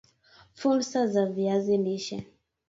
Fursa za viazi lishe